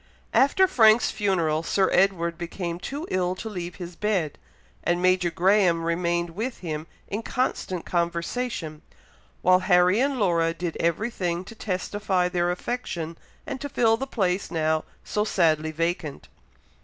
After Frank's funeral, Sir Edward became too ill to leave his bed; and Major Graham remained with him in constant conversation; while Harry and Laura did every thing to testify their affection, and to fill the place now so sadly vacant.